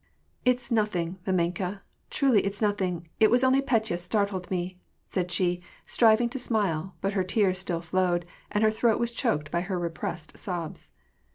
WAR AND PEACE. 291 "If 8 nothing, mdmenka; truly it's nothing: it was only Petya startled me/' said she, striving to smile ; but her tears still flowed^ and her throat was choked by her repressed sobs.